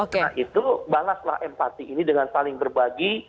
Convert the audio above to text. karena itu balaslah empati ini dengan paling berbagi